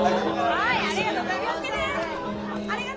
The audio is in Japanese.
はいありがとうございます気を付けて！